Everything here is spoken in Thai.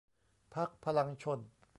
พรรคพลังชล